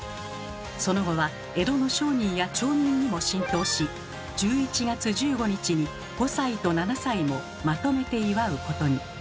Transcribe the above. その後は江戸の商人や町民にも浸透し１１月１５日に５歳と７歳もまとめて祝うことに。